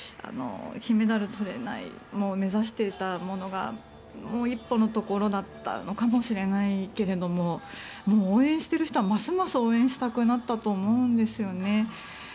金メダルとれなくて目指していたものがもう一歩のところだったのかもしれないけど応援している人はますます応援したくなったと思うんですよね。